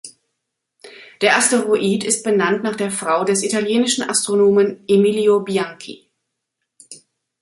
Der Asteroid ist benannt nach der Frau des italienischen Astronomen Emilio Bianchi.